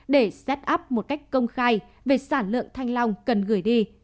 để xét up một cách công khai về sản lượng thanh long cần gửi đi